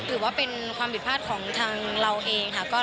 ถือว่าเป็นความผิดพลาดของทางเราเองค่ะ